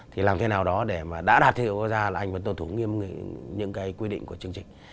thì làm thế nào đó để mà đã đạt thương hiệu quốc gia là anh vẫn tổn thống những cái quy định của chương trình